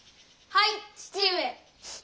はい義父上。